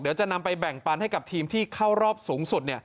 เดี๋ยวจะนำไปแบ่งปันให้กับทีมที่เข้ารอบสูงสุด